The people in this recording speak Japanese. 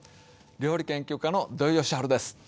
料理研究家の土井善晴です。